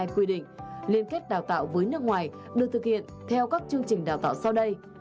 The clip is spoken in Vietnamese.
quy định liên kết đào tạo với nước ngoài được thực hiện theo các chương trình đào tạo sau đây